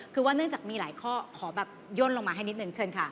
คือว่าเนื่องจากมีหลายข้อขอแบบย่นลงมาให้นิดนึงเชิญค่ะ